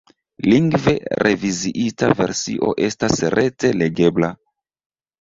Lingve reviziita versio estas rete legebla.